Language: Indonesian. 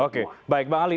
oke baik bang ali